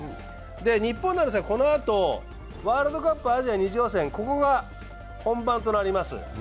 日本ですが、このあとワールドカップアジア２次予選、ここが本番となります。